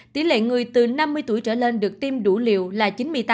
tỷ lệ người từ năm mươi tuổi trở lên được tiêm đủ liều là chín mươi tám